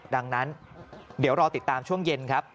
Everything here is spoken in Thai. ดังนั้นเดี๋ยวรอติดตามช่วงเย็นครับ